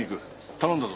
頼んだぞ。